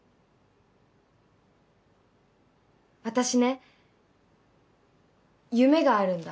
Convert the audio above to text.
私ね夢があるんだ。